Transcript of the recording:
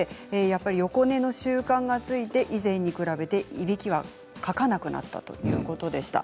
横寝の習慣がついて以前に比べていびきはかかなくなったということでした。